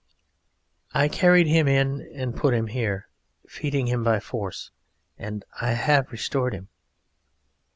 ] "I carried him in and put him here, feeding him by force, and I have restored him."